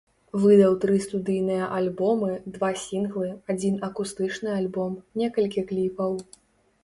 Выдаў тры студыйныя альбомы, два сінглы, адзін акустычны альбом, некалькі кліпаў.